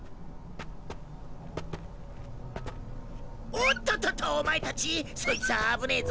おっとっとっとお前たちそいつは危ねえぞ！